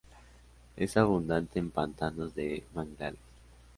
Es abundante en pantanos de manglares.